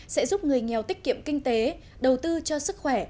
sẽ giúp người nghèo tiết kiệm kinh tế đầu tư cho sức khỏe